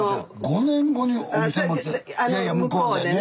５年後にお店持ついやいや向こうでね。